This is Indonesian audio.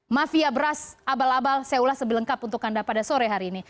mafia beras abal abal saya ulas sebelengkap untuk anda pada sore hari ini